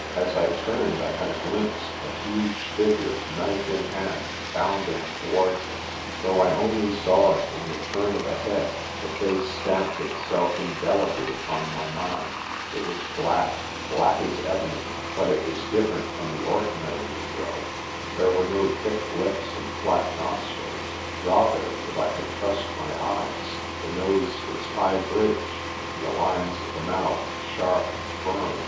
As I turned I had a glimpse of a huge figure, knife in hand, bounding towards us. Though I only saw it in the turn of a head, the face stamped itself indelibly upon my mind. It was black, black as ebony, but it was different from the ordinary negro. There were no thick lips and flat nostrils ; rather, if I could trust my eyes, the nose was high bridged, and the lines of the mouth sharp and firm.